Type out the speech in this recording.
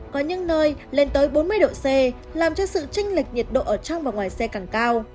có những nơi lên tới bốn mươi độ c làm cho sự tranh lệch nhiệt độ ở trong và ngoài xe càng cao